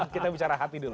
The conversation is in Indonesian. kita bicara hati dulu